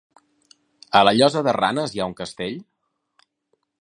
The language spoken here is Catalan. A la Llosa de Ranes hi ha un castell?